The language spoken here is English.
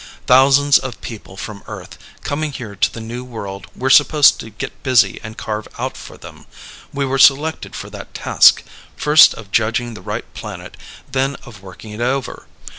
Thousands of people from Earth, coming here to the new world we're supposed to get busy and carve out for them. We were selected for that task first of judging the right planet, then of working it over.